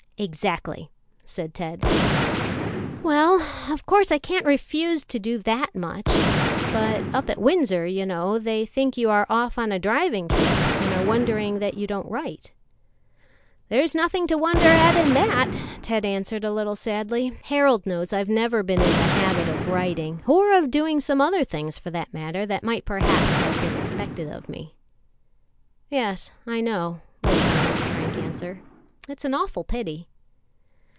"Exactly," said Ted. "Well, of course I can't refuse to do that much; but up at Windsor, you know, they think you are off on a driving trip, and are wondering that you don't write." "There's nothing to wonder at in that," Ted answered a little sadly; "Harold knows I've never been in the habit of writing, or of doing some other things, for that matter, that might perhaps have been expected of me." "Yes, I know," was Donald's frank answer; "it's an awful pity."